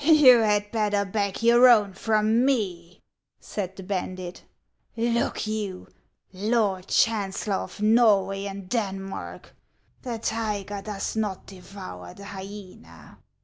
"You had better beg your own from me," said the bandit. " Look you, Lord Chancellor of Norway and Denmark, the tiger does not devour the hyena.